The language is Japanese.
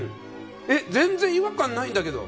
全然、違和感ないんだけど。